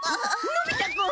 のび太くん。